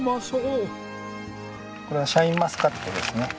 これはシャインマスカットですね。